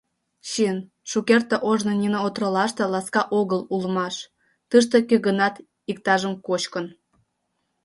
Чын, шукерте ожно нине отролаште ласка огыл улмаш: тыште кӧ-гынат иктажым кочкын.